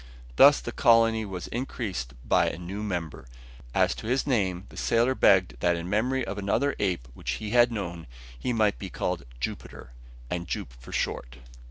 Thus the colony was increased by a new member. As to his name the sailor begged that in memory of another ape which he had known, he might be called Jupiter, and Jup for short.